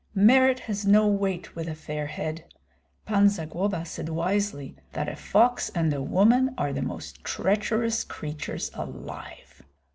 Merit has no weight with a fair head. Pan Zagloba said wisely that a fox and a woman are the most treacherous creatures alive.